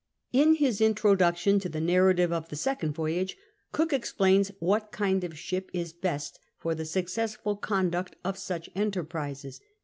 In his introduction to the narrative of the second voyage, Cook explains wliat kind of ship is best for the successful conduct of such enterprises.